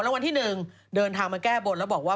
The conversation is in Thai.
ปลาหมึกแท้เต่าทองอร่อยทั้งชนิดเส้นบดเต็มตัว